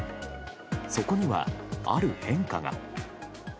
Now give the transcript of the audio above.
そこには、ある変化が。